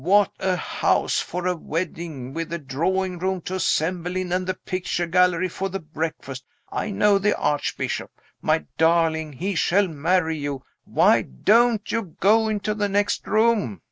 what a house for a wedding, with the drawing room to assemble in and the picture gallery for the breakfast. I know the Archbishop. My darling, he shall marry you. Why don't you go into the next room?